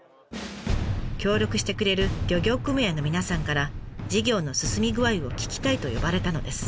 協力してくれる漁業組合の皆さんから事業の進み具合を聞きたいと呼ばれたのです。